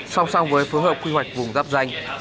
song song với phương hợp khuyên hoạch vùng dắp danh